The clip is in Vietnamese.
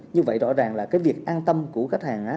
như vậy rõ ràng là cái việc an tâm của khách hàng